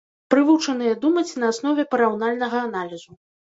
Прывучаныя думаць на аснове параўнальнага аналізу.